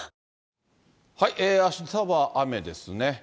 あしたは雨ですね。